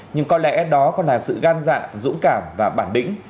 nhưng có lẽ đó còn là sự gan dạ dũng cảm và bản lĩnh